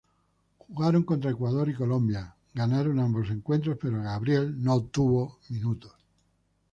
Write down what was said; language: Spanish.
Jugaron contra Ecuador y Colombia, ganaron ambos encuentros pero Gabriel no tuvo minutos.